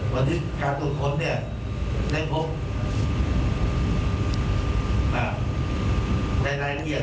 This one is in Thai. บันทึกการตรวจค้นได้พบในรายละเอียด